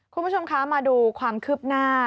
คุณผู้ชมคะมาดูความคืบหน้า